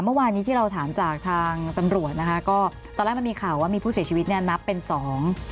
เมื่อวานนี้ที่เราถามจากทางตำรวจนะคะก็ตอนแรกมันมีข่าวว่ามีผู้เสียชีวิตเนี่ยนับเป็นสอง